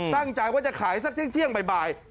ตั้งใจว่าจะขายสักเที่ยงบ่าย